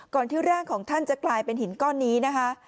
ที่ร่างของท่านจะกลายเป็นหินก้อนนี้นะคะ